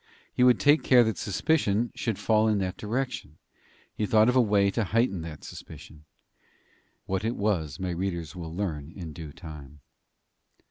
He would take care that suspicion should fall in that direction. He thought of a way to heighten that suspicion. What it was my readers will learn in due time.